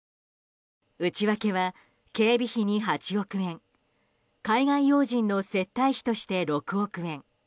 内訳は警備費に８億円海外要人の接遇費として６億円